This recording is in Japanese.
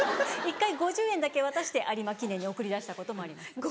１回５０円だけ渡して有馬記念に送り出したこともあります。